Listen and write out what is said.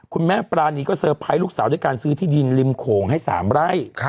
ปรานีก็เตอร์ไพรส์ลูกสาวด้วยการซื้อที่ดินริมโขงให้๓ไร่